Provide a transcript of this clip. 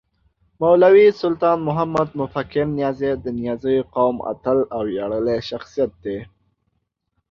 مولوي سلطان محمد مفکر نیازی د نیازيو قوم اتل او وياړلی شخصیت دی